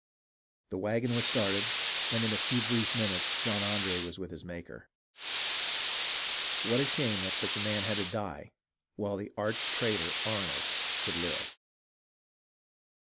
The wagon was then started, and in a few brief minutes John Andre was with his Maker. What a shame that such a man had to die while the arch traitor, Arnold, could live